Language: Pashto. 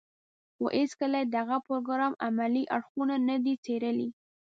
خو هېڅکله يې د هغه پروګرام عملي اړخونه نه دي څېړلي.